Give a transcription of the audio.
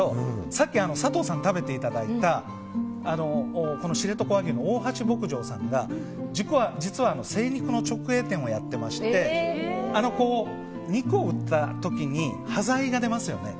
さっき、佐藤さんに食べていただいた知床和牛の大橋牧場さんが精肉の直営店もやっていまして肉を売った時に端材が出ますよね。